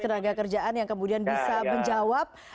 tenaga kerjaan yang kemudian bisa menjawab